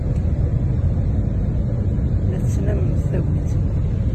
La ttnament tagnit-nni.